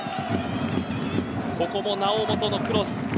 ここも猶本のクロス。